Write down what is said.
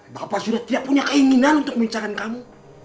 bapak sudah tidak punya keinginan untuk mencari kamu